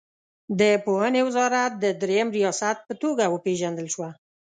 د پوهنې وزارت د دریم ریاست په توګه وپېژندل شوه.